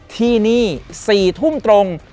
ที่นี่๔ทุ่มตรง